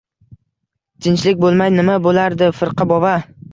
— Tinchlik bo‘lmay nima bo‘lardi, firqa bova.